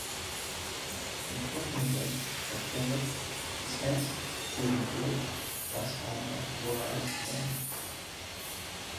Unfortunately for Sheppard, his fence, William Field, was one of Wild's men.